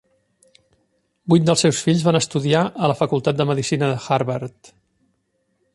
Vuit dels seus fills van estudiar a la facultat de medicina de Harvard.